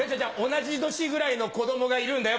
同じ年ぐらいの子供がいるんだよ